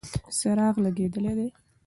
څراغ لګېدلی دی.